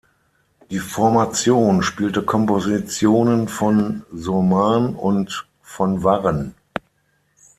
Die Formation spielte Kompositionen von Surman und von Warren.